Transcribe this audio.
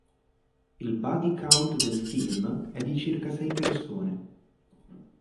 Il body count del film è di circa sei persone.